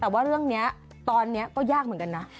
แต่ว่าเรื่องนี้ตอนนี้ก็ยากเหมือนกันนะ